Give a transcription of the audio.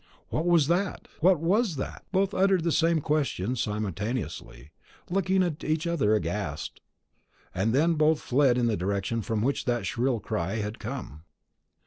"What was that?" "What was that?" Both uttered the same question simultaneously, looking at each other aghast, and then both fled in the direction from which that shrill cry had come.